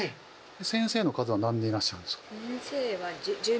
先生の数は何人いらっしゃるんですか？